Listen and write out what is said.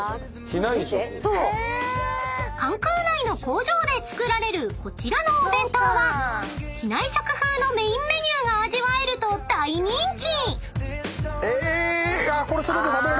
［関空内の工場で作られるこちらのお弁当は機内食風のメインメニューが味わえると大人気！］